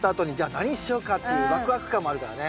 何しようかっていうワクワク感もあるからね。